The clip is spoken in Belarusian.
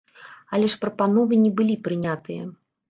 Але ж прапановы не былі прынятыя.